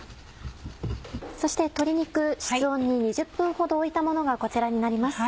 そして鶏肉室温に２０分ほどおいたものがこちらになります。